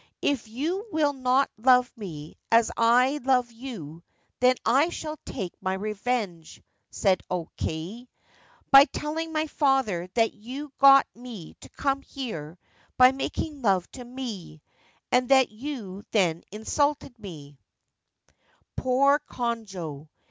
* If you will not love me as I love you, then I shall take my revenge/ said O Kei, < by telling my father that you got me to come here by making love to me, and that you then insulted me/ Poor Konojo